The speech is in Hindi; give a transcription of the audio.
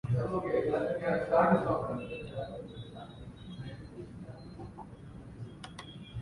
राजस्थान: सवाई माधोपुर में थानाधिकारी को जिंदा जलाया